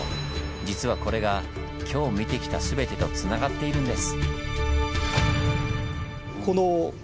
実はこれが今日見てきたすべてとつながっているんです！